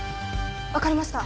分かりました。